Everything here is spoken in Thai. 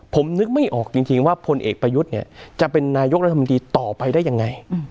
ผมนึกไม่ออกจริงว่าพลเอกประยุทธ์เนี่ยจะเป็นนายกรัฐมนตรีต่อไปได้ยังไง